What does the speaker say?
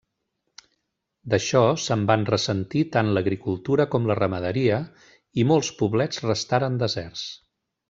D'això se'n van ressentir tant l'agricultura com la ramaderia, i molts poblets restaren deserts.